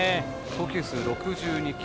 投球数６２球。